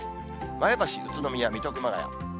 前橋、宇都宮、水戸、熊谷。